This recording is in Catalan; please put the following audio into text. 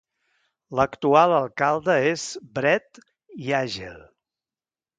L'actual alcalde és Brett Yagel.